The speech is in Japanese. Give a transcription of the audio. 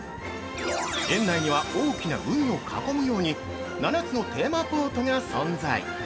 園内には大きな「海」を囲むように７つのテーマポートが存在。